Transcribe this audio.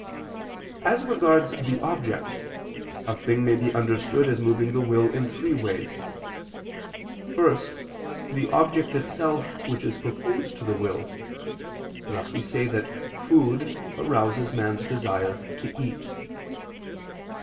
As regards the object, a thing may be understood as moving the will in three ways. First, the object itself which is proposed to the will: thus we say that food arouses man's desire to eat.